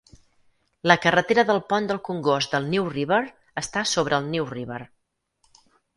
La carretera del pont del congost del New River està sobre el New River.